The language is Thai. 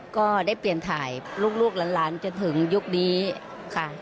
ก็ได้เปลี่ยนถ่ายลูกหลานจนถึงยุคนี้ค่ะ